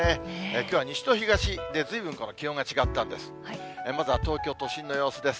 きょうは西と東で、ずいぶん気温が違ったんです。